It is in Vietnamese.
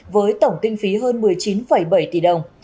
với tổng kinh phí hơn một mươi chín bảy tỷ đồng